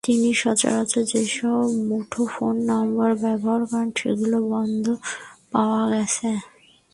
তিনি সচরাচর যেসব মুঠোফোন নম্বর ব্যবহার করেন, সেগুলো বন্ধ পাওয়া গেছে।